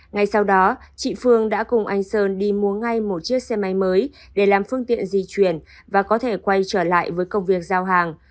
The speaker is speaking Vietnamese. ngay sau đó chị phương đã cùng anh sơn đi mua ngay một chiếc xe máy mới để làm phương tiện di chuyển và có thể quay trở lại với công việc giao hàng